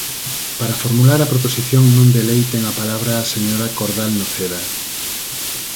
Para formular a proposición non de lei ten a palabra a señora Cordal Noceda.